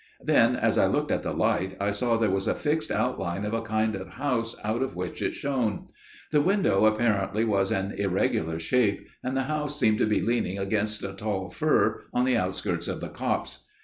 Then, as I looked at the light, I saw there was a fixed outline of a kind of house out of which it shone. The window apparently was an irregular shape, and the house seemed to be leaning against a tall fir on the outskirts of the copse.